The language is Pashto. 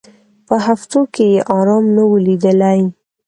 په هفتو کي یې آرام نه وو لیدلی